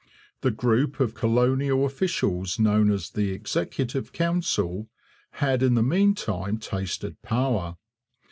The group of colonial officials known as the Executive Council had in the meantime tasted power.